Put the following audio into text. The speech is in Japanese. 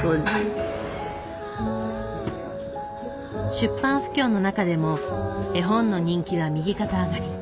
出版不況の中でも絵本の人気は右肩上がり。